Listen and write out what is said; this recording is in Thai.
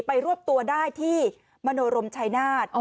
รวบตัวได้ที่มโนรมชายนาฏ